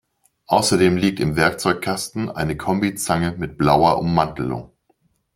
Außerdem liegt im Werkzeugkasten eine Kombizange mit blauer Ummantelung.